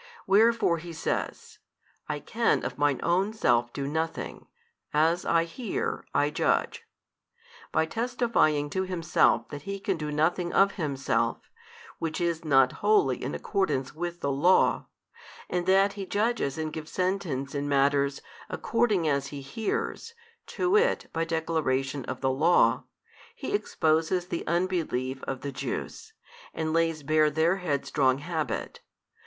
Wherefore He says, I can of Mine own self do nothing; as I hear, I judge. By testifying to Himself that He can do nothing of Himself, which is not wholly in accordance with the Law, and that He judges and gives sentence in matters, according as He hears, to wit by declaration of the Law, He exposes the unbelief of the Jews, and lays bare their headstrong habit.